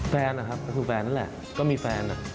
แฟนนะครับก็คือแฟนนั่นแหละก็มีแฟน